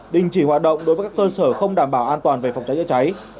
đình chỉ hoạt động đối với các cơ sở không đảm bảo an toàn về phòng cháy chữa cháy